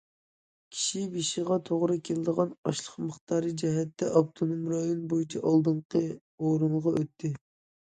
كىشى بېشىغا توغرا كېلىدىغان ئاشلىق مىقدارى جەھەتتە ئاپتونوم رايون بويىچە ئالدىنقى ئورۇنغا ئۆتتى.